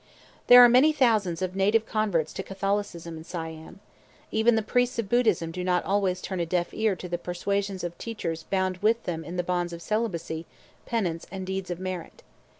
There are many thousands of native converts to Catholicism in Siam; even the priests of Buddhism do not always turn a deaf ear to the persuasions of teachers bound with them in the bonds of celibacy, penance, and deeds of merit.